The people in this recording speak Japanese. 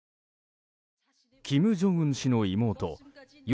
金正恩氏の妹・与